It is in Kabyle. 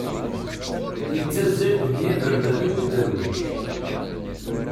Yettazzal deg yiberdan am uderwic.